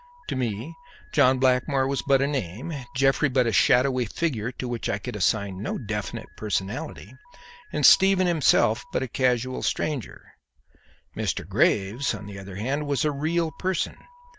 To me, John Blackmore was but a name, Jeffrey but a shadowy figure to which I could assign no definite personality, and Stephen himself but a casual stranger. Mr. Graves, on the other hand, was a real person.